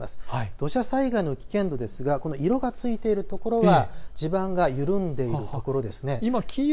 土砂災害の危険度ですが色がついているところは地盤が緩んでいるところです。